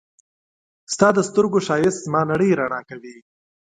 ستا د سترګو ښایست زما نړۍ رڼا کوي.